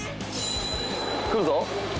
来るぞ。